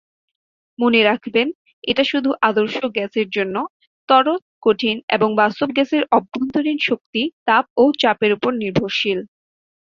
মনে রাখবেন, এটা শুধু আদর্শ গ্যাসের জন্য, তরল, কঠিন এনম্বর বাস্তব গ্যাসের অভ্যন্তরীন শক্তি তাপ ও চাপের উপর নির্ভরশীল।